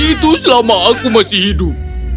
itu selama aku masih hidup